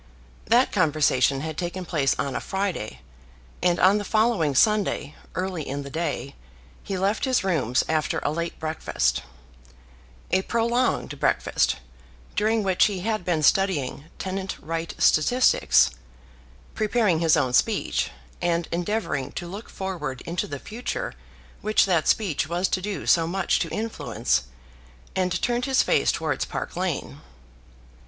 That conversation had taken place on a Friday, and on the following Sunday, early in the day, he left his rooms after a late breakfast, a prolonged breakfast, during which he had been studying tenant right statistics, preparing his own speech, and endeavouring to look forward into the future which that speech was to do so much to influence, and turned his face towards Park Lane.